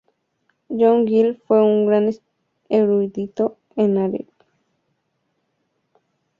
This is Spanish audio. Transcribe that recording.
John Gill fue un gran erudito en hebreo y un resuelto calvinista.